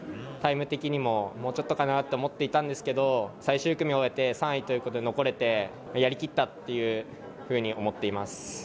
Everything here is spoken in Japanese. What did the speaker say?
タイム的にも、もうちょっとかなと思っていたんですけれども、最終組を終えて３位ということで残れて、やりきったっていうふうに思っています。